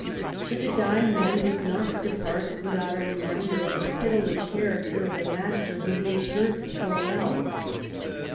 " But the dying man was not to depart without a re minder of the pitiless character of the master whom he had served so well.